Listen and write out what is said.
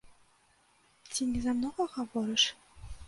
Ці не замнога гаворыш?